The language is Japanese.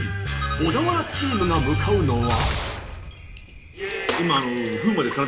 小田原チームが向かうのは。